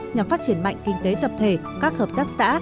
nhằm phát triển mạnh kinh tế tập thể các hợp tác xã